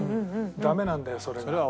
ダメなんだよそれは。